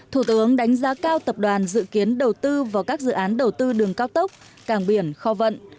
thủ tướng đánh giá cao tập đoàn dự kiến đầu tư vào các dự án đầu tư đường cao tốc cảng biển kho vận